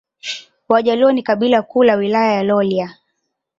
Wajaluo ni kabila kuu la Wilaya ya Rorya